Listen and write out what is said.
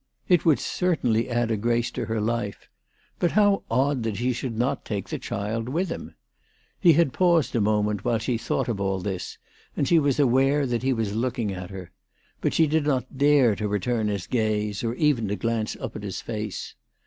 It would certainly add a grace to her life. But how odd that he should not take his child with him ! He had paused a moment while she thought of all this, and she was aware that he was looking at her. But she did not dare to return his gaze, or even to glance up at his face.